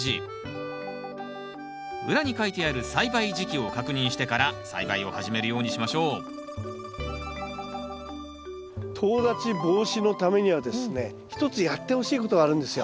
裏に書いてある栽培時期を確認してから栽培を始めるようにしましょうとう立ち防止のためにはですね一つやってほしいことがあるんですよ。